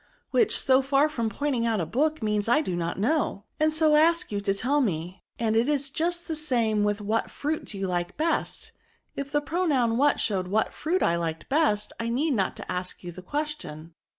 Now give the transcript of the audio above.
which, so far from point ing out the book, means that I do not know, and so ask you to tell me : and it is just the same with What fruit do you like best? if the pronoun what showed what fruit I liked best, I need not ask you the question.